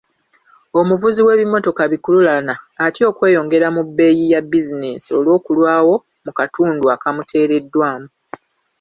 Omuvuzi w'ebimmotoka bi lukululana atya okweyongera mu bbeeyi ya bizinesi olw'okulwawo mu katundu akamuteereddwamu.